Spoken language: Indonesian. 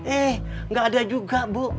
eh nggak ada juga bu